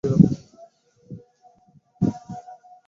একটি হাত বাড়িয়ে ক্যাসেটের ভল্যুম বাড়িয়ে দিল।